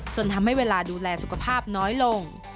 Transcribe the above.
จนทำให้เวลาดูแลสุขภาพน้อยลง